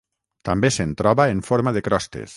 També se'n troba en forma de crostes.